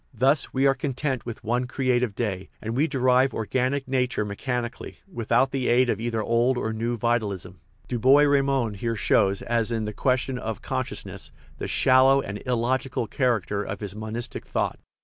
Thus we are content with one creative day, and we derive organic nature mechanic ally, without the aid of either old or new vitalism." Du Bois Reymond here shows, as in the question of consciousness, the shallow and illogical character of his monistic thought.